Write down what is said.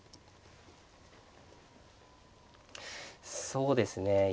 そうですね。